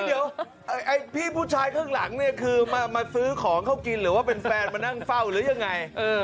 เดี๋ยวไอ้พี่ผู้ชายข้างหลังเนี่ยคือมาซื้อของเขากินหรือว่าเป็นแฟนมานั่งเฝ้าหรือยังไง